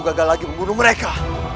gagal lagi membunuh mereka